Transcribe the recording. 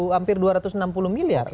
hampir dua ratus enam puluh miliar